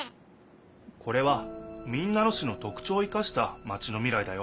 これは民奈野市のとくちょうを生かしたマチの未来だよ。